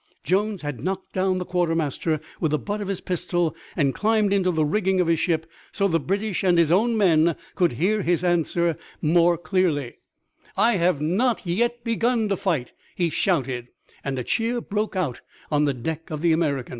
Jones had knocked down the quartermaster with the butt of his pistol and climbed into the rigging of his ship so the British and his own men could hear his answer more clearly: "I have not yet begun to fight," he shouted, and a cheer broke out on the deck of the American.